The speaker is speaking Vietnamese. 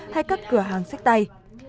hay các cửa hàng xách tay